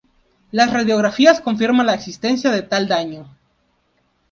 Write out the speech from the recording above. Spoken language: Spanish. Las radiografías confirman la existencia de tal daño.